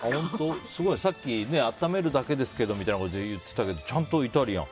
さっき温めるだけですけどみたいな言ってたけどちゃんとイタリアン。